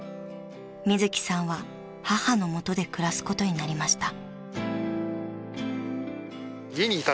［みずきさんは母の元で暮らすことになりました］